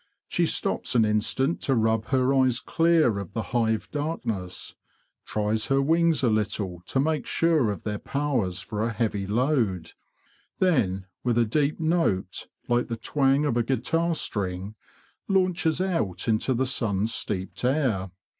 She stops an instant to rub her eyes clear of the hive darkness; tries her wings a little to make sure of their powers for a heavy load; then, with a deep note like the twang of a guitar string, launches out into the sun steeped air.